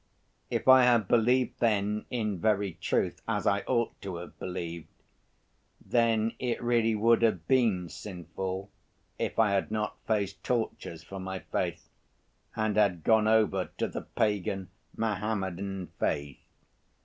If I had believed then in very truth, as I ought to have believed, then it really would have been sinful if I had not faced tortures for my faith, and had gone over to the pagan Mohammedan faith.